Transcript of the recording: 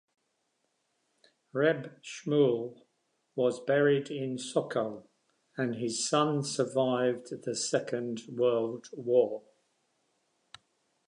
Reb Shmuel was buried in Sokal, and his son survived the Second World War.